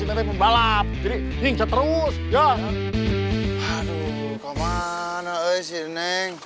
iya pesen pesen pa polisnya dlu pas tily